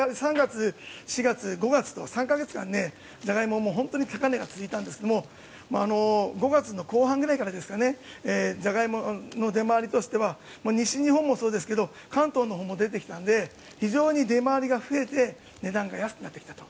３月、４月、５月と３か月間ジャガイモは高値が続いたんですが５月の後半ぐらいからジャガイモの出回りとしては西日本もそうですけど関東のほうも出てきたので非常に出回りが増えて値段が安くなってきたと。